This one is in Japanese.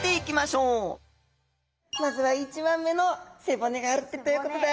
まずは１番目の背骨があるということで。